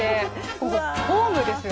ここホームですよ。